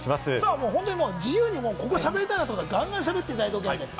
自由に、ここしゃべりたいなと思ったら、ガンガンしゃべっていただいていいです。